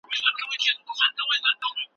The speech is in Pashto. استاد غوښتل چي شاګرد ته پوره ازادي ورکړي.